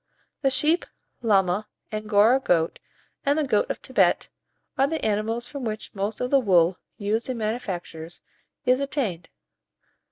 The sheep, llama, Angora goat, and the goat of Thibet, are the animals from which most of the wool used in manufactures is obtained.